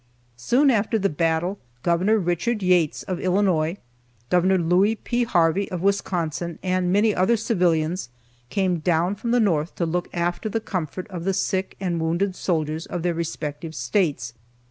Soon after the battle Gov. Richard Yates, of Illinois, Gov. Louis P. Harvey, of Wisconsin, and many other civilians, came down from the north to look after the comfort of the sick and wounded soldiers of their respective states.